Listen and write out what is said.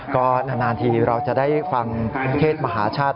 ก็นานทีเราจะได้ฟังเทศมหาชาติ